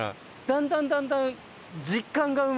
だんだんだんだん。